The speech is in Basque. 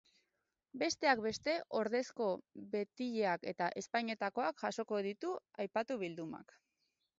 Besteak beste, ordezko betileak eta ezpainetakoak jasoko ditu aipatu bildumak.